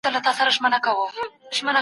د خلګو ستونزي ژر حلیږي.